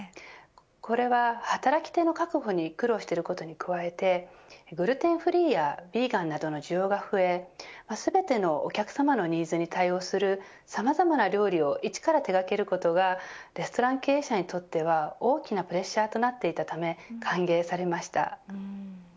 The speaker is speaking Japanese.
これは、働き手の確保に苦労していることに加えてグルテンフリーやヴィーガンなどの需要が増え全てのお客様のニーズに対応するさまざまな料理を一から手掛けることがレストラン経営者にとっては大きなプレッシャーとなっていたため歓迎されました。